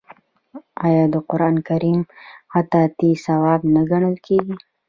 آیا د قران کریم خطاطي ثواب نه ګڼل کیږي؟